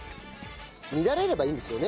乱れればいいんですよね？